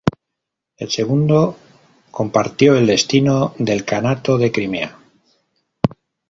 El segundo compartió el destino del Kanato de Crimea.